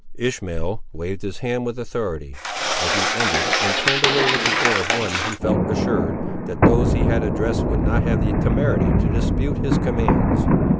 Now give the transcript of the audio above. Ishmael waved his hand with authority, as he ended, and turned away with the air of one who felt assured, that those he had addressed would not have the temerity to dispute his commands.